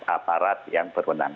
aparat yang berwenang